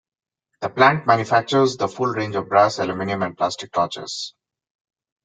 The plant manufactures the full range of brass, aluminium and plastic torches.